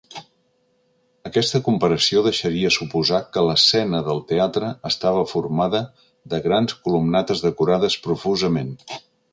Aquesta comparació deixaria suposar que l'escena del teatre estava formada de grans columnates decorades profusament.